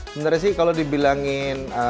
sebenarnya sih kalau dibilangin